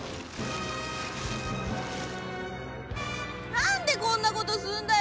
何でこんなことすんだよ！